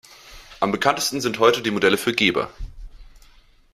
Am bekanntesten sind heute die Modelle für Gebr.